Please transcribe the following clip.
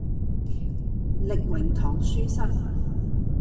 力榮堂書室